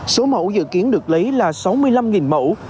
số mẫu dự kiến được lấy là sáu mươi năm mẫu